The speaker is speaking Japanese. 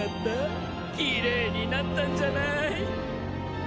きれいになったんじゃない？